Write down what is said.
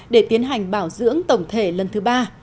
để tiến hành bảo dưỡng tổng thể lần thứ ba